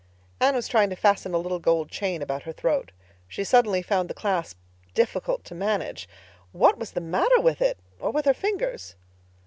Anne was trying to fasten a little gold chain about her throat. She suddenly found the clasp difficult to manage. What was the matter with it—or with her fingers?